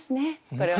これは。